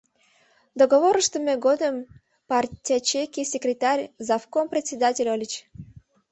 Договор ыштыме годым партячейке секретарь, завком председатель ыльыч.